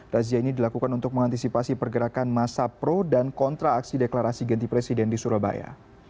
razia ini dilakukan untuk mengantisipasi pergerakan masa pro dan kontra aksi deklarasi ganti presiden di surabaya